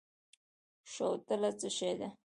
شوتله څه شی ده؟